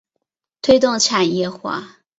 推动产业化